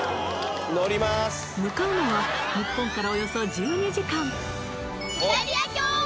向かうのは日本からおよそ１２時間